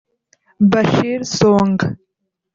Bashir Songa